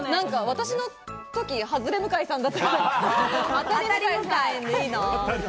私の時はハズレ向井さんだった。